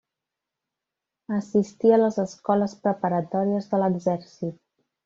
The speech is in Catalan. Assistí a les escoles preparatòries de l'exèrcit.